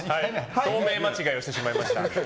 透明間違いをしてしまいました。